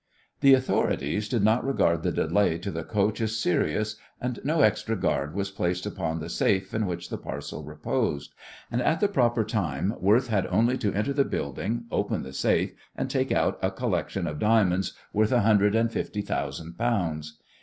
The authorities did not regard the delay to the coach as serious, and no extra guard was placed upon the safe in which the parcel reposed, and at the proper time Worth had only to enter the building, open the safe, and take out a collection of diamonds worth a hundred and fifty thousand pounds.